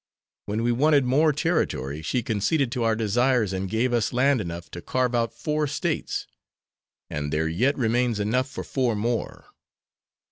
When we wanted more territory she conceded to our desires and gave us land enough to carve out four States, and there yet remains enough for four more.